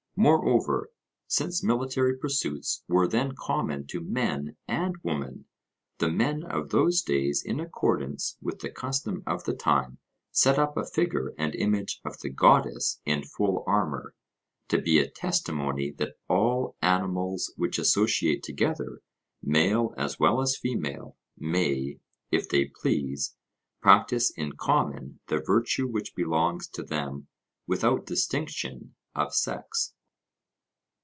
Moreover, since military pursuits were then common to men and women, the men of those days in accordance with the custom of the time set up a figure and image of the goddess in full armour, to be a testimony that all animals which associate together, male as well as female, may, if they please, practise in common the virtue which belongs to them without distinction of sex.